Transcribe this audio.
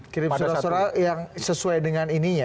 kirim surat surat yang sesuai dengan ininya